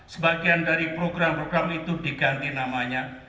sebagian dari program program itu diganti namanya